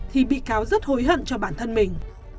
thì bị cáo rất hối hận cho bản thân mình